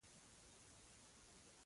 په دغو کسبه کارانو کې د اوړي په موسم کې.